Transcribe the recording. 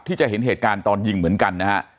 ที่จะเห็นเหตุการณ์ตอนยิงเหมือนกันนะฮะ